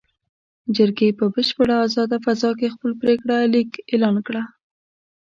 جرګې په بشپړه ازاده فضا کې خپل پرېکړه لیک اعلان کړ.